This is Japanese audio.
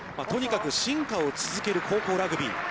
とにかく進化を続ける高校ラグビー。